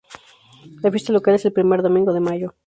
La fiesta local es el primer domingo de mayo.